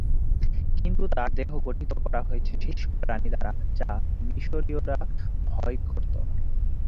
কিন্তু তার দেহ গঠিত করা হয়েছে সেই সব প্রাণী দ্বারা যা মিশরীয়রা ভয় করতো।